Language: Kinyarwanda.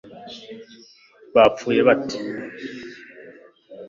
bapfuye bate